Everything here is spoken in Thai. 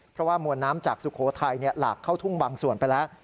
เพราะว่ามวลน้ำจากสุโขทัยหลากเข้าทุ่งบางส่วนไปแล้ว